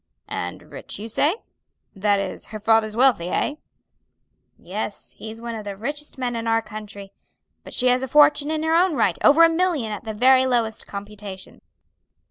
"And rich you say? that is her father's wealthy, eh?" "Yes, he's one of the richest men in our county, but she has a fortune in her own right, over a million at the very lowest computation."